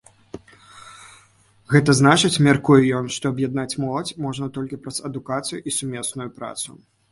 Гэта значыць, мяркуе ён, што аб'яднаць моладзь можна толькі праз адукацыю і сумесную працу.